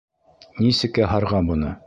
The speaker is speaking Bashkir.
Нисек яһарға быны?